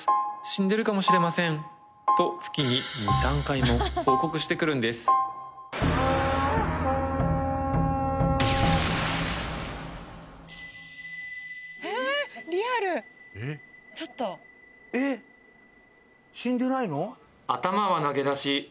「死んでるかもしれません」と月に２３回も報告してくるんです頭は投げ出し